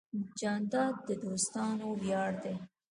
جانداد د دوستانو ویاړ دی.